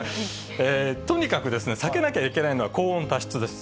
とにかくですね、避けなきゃいけないのは、高温多湿です。